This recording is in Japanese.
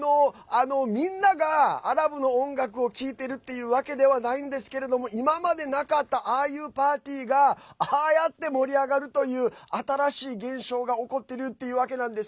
みんながアラブの音楽を聴いているっていうわけではないんですけど今までなかったああいうパーティーがああやって盛り上がるという新しい現象が起こっているっていうわけなんです。